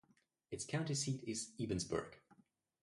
Its county seat is Ebensburg.